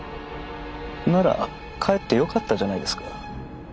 ならかえってよかったじゃないですか。